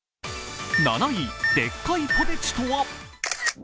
７位、でっかいポテチとは？